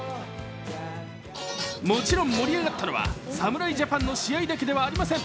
もちろん盛り上がったのは侍ジャパンの試合だけではありません。